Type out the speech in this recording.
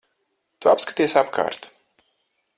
Tu apskaties apkārt.